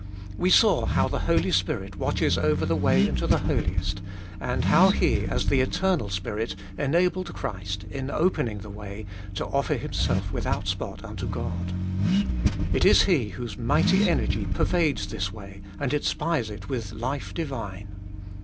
We saw how the Holy Spirit watches over the way into the Holiest, and how He, as the Eternal Spirit, enabled Christ, in opening the way, to offer Himself without spot unto God ; it is He whose mighty energy pervades this way, and inspires it with life divine.